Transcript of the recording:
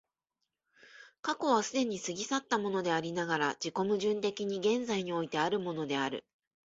過去は既に過ぎ去ったものでありながら、自己矛盾的に現在においてあるものである。